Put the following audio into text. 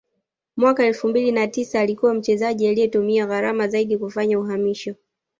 mwaka elfu mbili na tisa alikuwa mchezaji aliye tumia gharama zaidi kufanya uhamisho